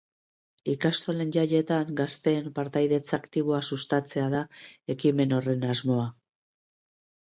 Ikastolen jaietan gazteen partaidetza aktiboa sustatzea da ekimen horren asmoa.